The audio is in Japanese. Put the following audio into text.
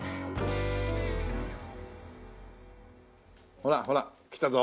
ほらほらきたぞ。